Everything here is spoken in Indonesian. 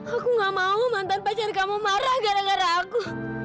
aku gak mau mantan pacar kamu marah gara gara aku